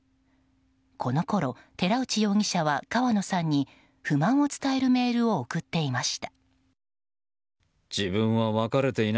このころ寺内容疑者は川野さんに不満を伝えるメールを送っていました。